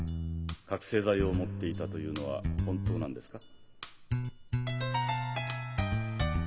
覚醒剤を持っていたというのは本当なんですか？